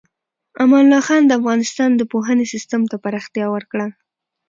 امان الله خان د افغانستان د پوهنې سیستم ته پراختیا ورکړه.